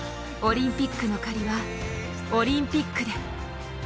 オリンピックの借りはオリンピックで。